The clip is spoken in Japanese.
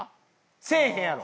せえへんやろ？